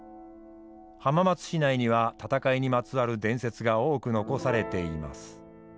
浜松市内には戦いにまつわる伝説が多く残されています。